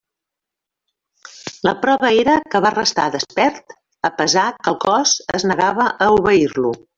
La prova era que va restar despert a pesar que el cos es negava a obeir-lo.